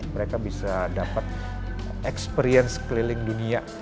mereka bisa dapat experience keliling dunia